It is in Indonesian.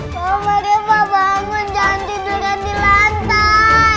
mama reva bangun jangan tidurkan di lantai